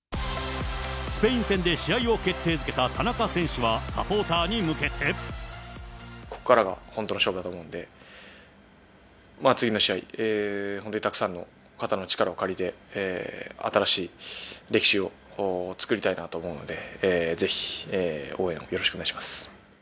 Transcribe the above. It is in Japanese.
スペイン戦で試合を決定づけた田中選手は、サポーターに向けここからが本当の勝負だと思うので、次の試合、本当にたくさんの方の力を借りて、新しい歴史を作りたいなと思うので、ぜひ応援をよろしくお願いします。